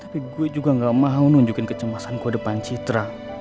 tapi gue juga gak mau nunjukin kecemasanku depan citra